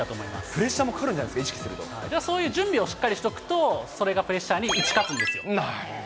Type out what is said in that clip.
プレッシャーもかかるんじゃそれ、準備をしっかりしとくと、それがプレッシャーに打ち勝つんですよ。